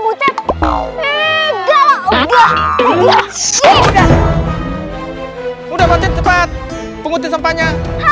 udah cepat pengutin sampahnya